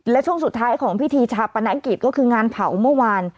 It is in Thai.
และช่วงสุดท้ายของพิธีชาปนกิจก็คืองานเผาเมื่อวาน